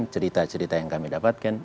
cerita cerita yang kami dapatkan